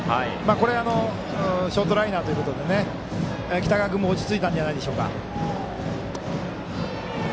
これをショートライナーということで北川君も落ち着いたんじゃないでしょうか。